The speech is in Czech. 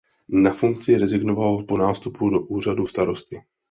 Na funkci rezignoval po nástupu do úřadu starosty.